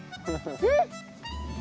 えっ。